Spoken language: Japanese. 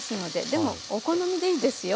でもお好みでいいですよ。